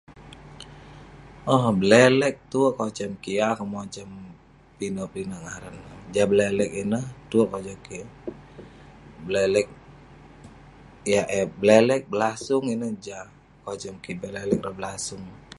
Owk. Bleleg tuwerk kojam kik, yeng akeuk mojam pinek pinek ngaran neh. jah blelek ineh tuwerk kojam kik. bleleg, yah eh bleleg blasung ineh jah kojam kik. Bleleg rawah blasung.